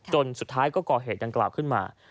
จนสุดท้ายก็ก่อเหตุอย่างเกราะขึ้นมา